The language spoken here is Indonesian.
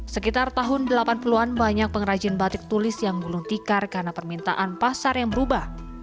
sekitar tahun delapan puluh an banyak pengrajin batik tulis yang gulung tikar karena permintaan pasar yang berubah